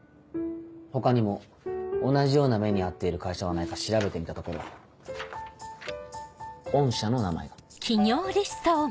他にも同じような目に遭っている会社はないか調べてみたところ御社の名前が。